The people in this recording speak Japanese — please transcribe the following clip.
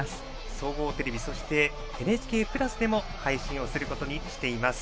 総合テレビそして「ＮＨＫプラス」でも配信をすることにしています。